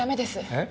えっ？